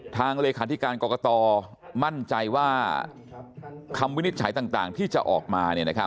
เลขาธิการกรกตมั่นใจว่าคำวินิจฉัยต่างที่จะออกมา